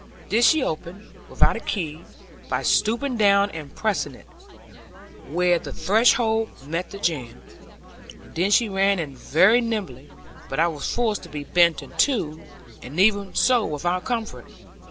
This she opened, without a key, by stooping down and pressing it, where the threshold met the jamb; and then she ran in very nimbly, but I was forced to be bent in two, and even so without comfort.